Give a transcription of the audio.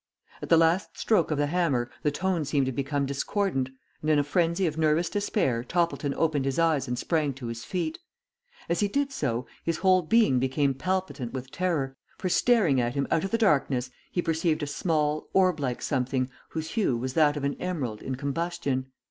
At the last stroke of the hammer the tone seemed to become discordant, and in a frenzy of nervous despair Toppleton opened his eyes and sprang to his feet. As he did so, his whole being became palpitant with terror, for staring at him out of the darkness he perceived a small orb like something whose hue was that of an emerald in combustion.